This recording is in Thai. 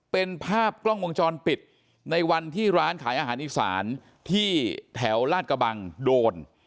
เป็นภาพกล้องวงจรปิดในวันที่ร้านขายอาหารอีสานที่แถวลาดกระบังโดน